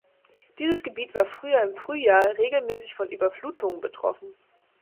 Dieses Gebiet war früher im Frühjahr regelmäßig von Überflutungen betroffen.